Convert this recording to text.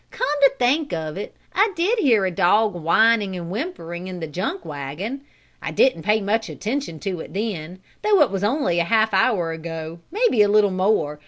"Come to think of it I did hear a dog whining and whimpering in the junk wagon. I didn't pay much attention then though it was only half an hour ago maybe a little more.